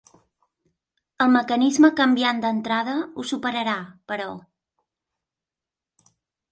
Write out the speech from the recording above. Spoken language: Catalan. El mecanisme canviant d'entrada ho superarà, però.